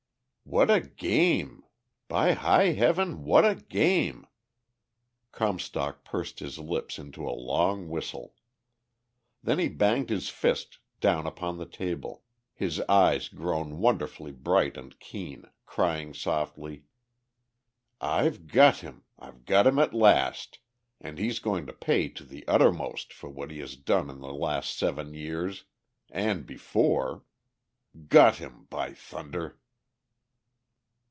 "What a game! By high heaven, what a game!" Comstock pursed his lips into a long whistle. Then he banged his first down upon the table, his eyes grown wonderfully bright and keen, crying softly, "I've got him, I've got him at last, and he's going to pay to the uttermost for all he has done in the last seven years ... and before! Got him by thunder!"